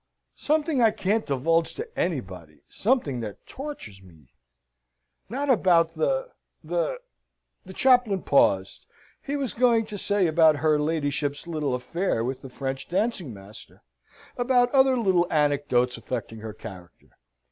"Something I can't divulge to anybody, something that tortures me!" "Not about the the " the chaplain paused: he was going to say about her ladyship's little affair with the French dancing master; about other little anecdotes affecting her character.